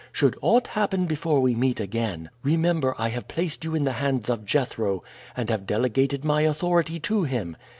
Should aught happen before we meet again, remember I have placed you in the hands of Jethro, and have delegated my authority to him.